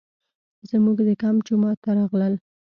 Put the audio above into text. زموږ د کمپ جومات ته راغلل.